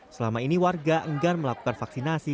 selama ini warga enggan melakukan vaksinasi